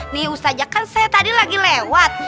nih ustazah kan saya tadi lagi lewat